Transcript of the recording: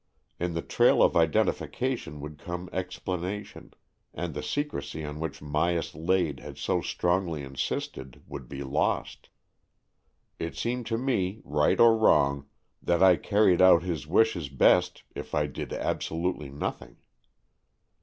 In the trail of identification would come explanation, and the secrecy on which Myas Lade had so strongly insisted would be lost. It seemed to me, right or wrong, that I carried out his wishes best if I did absolutely nothing.